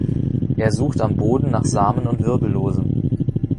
Er sucht am Boden nach Samen und Wirbellosen.